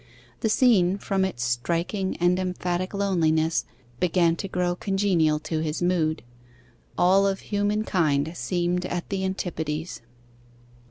The scene, from its striking and emphatic loneliness, began to grow congenial to his mood; all of human kind seemed at the antipodes.